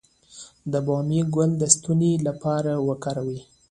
د بامیې ګل د ستوني لپاره وکاروئ